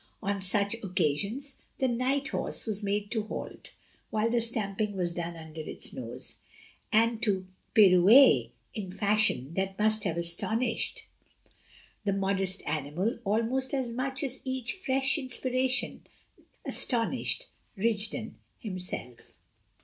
On such occasions the night horse was made to halt (while the stamping was done under its nose) and to pirouette in fashion that must have astonished the modest animal almost as much as each fresh inspiration astonished Rigden himself.